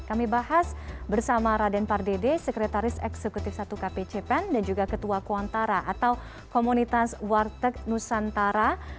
kami bahas bersama raden pardede sekretaris eksekutif satu kpcpen dan juga ketua kuantara atau komunitas warteg nusantara